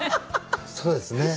そうですね。